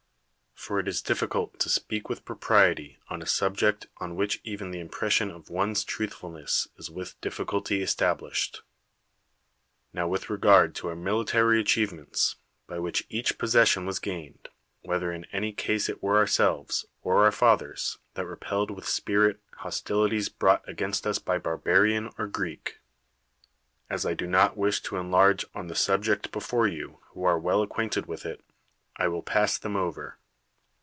For it is difficult to speak with propriety on a subject on which even the impression of one's truthfulness is with diffi culty established. Now with regard to our military achievements, by which each possession was gained, whether in any case it were ourselves, or our fathers, that repelled with spirit hostilities brought against us by barbarian or Greek; as I do not wish to enlarge on the subject before you who are well acquainted with it, I will j)ass them over.